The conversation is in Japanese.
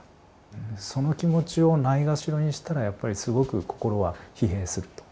その気持ちをないがしろにしたらやっぱりすごく心は疲弊すると。